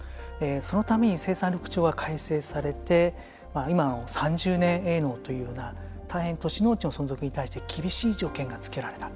そのために生産緑地法が改正されて今の３０年営農というような大変、都市農地の存続に対して厳しい条件がつけられた。